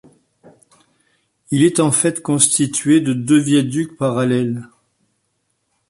Il est en fait constitué de deux viaducs parallèles.